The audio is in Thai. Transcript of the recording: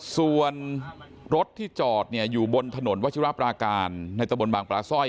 ส่วนรถที่จอดเนี่ยอยู่บนถนนวชิวราภารการณ์ในตะบนบังปราซ่อย